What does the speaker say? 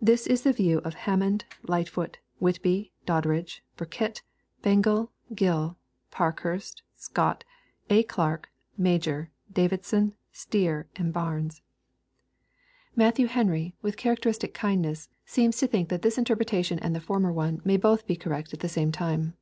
This is the view of Hammond, Lightfootj Whitby, Doddridge, Burkitt, Bengel, Gill, Parkhurst, Scott, A. Clark, Major, Davidson, Stier, and Barnes. LUKE, CHAP. XVIII. 251 Matthew Henry, with characteristic kiadliaess, seems to think that this interpretation and the former one may both be correct at the same time.